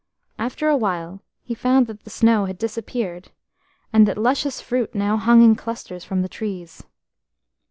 After a while he found that the snow had disappeared, and that luscious fruit now hung in clusters from the trees.